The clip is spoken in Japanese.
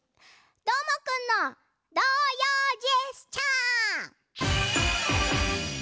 どーもくんの童謡ジェスチャー！